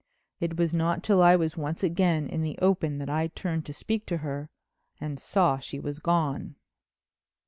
It was not till I was once again in the open that I turned to speak to her and saw she was gone."